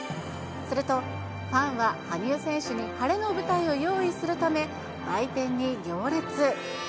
すると、ファンは羽生選手に晴れの舞台を用意するため、売店に行列。